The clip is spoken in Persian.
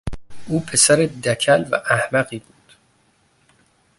او پسر دکل و احمقی بود.